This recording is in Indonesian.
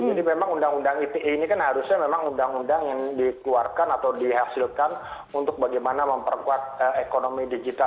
jadi memang uu ite ini kan harusnya memang uu yang dikeluarkan atau dihasilkan untuk bagaimana memperkuat ekonomi digital